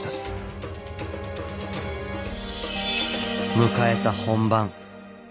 迎えた本番。